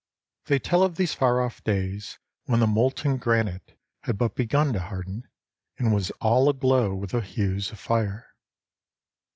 They tell of those far off days when the molten granite had but begun to harden, and was all aglow with the hues of fire.